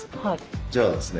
じゃあですね